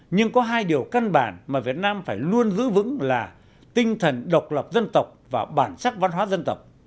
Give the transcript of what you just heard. nhưng có hai điều căn bản mà việt nam phải luôn giữ vững là tinh thần độc lập dân tộc và bản sắc văn hóa dân tộc